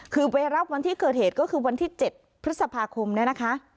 คือไปรับวันที่เกิดเหตุก็คือวันที่๗พฤษภาคมเนี่ยนะคะ